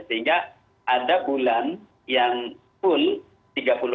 sehingga ada bulan yang full